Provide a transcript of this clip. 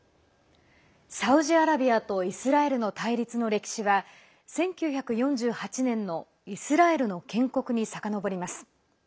サウジアラビアとイスラエルの対立の歴史は１９４８年のイスラエルの建国にさかのぼります。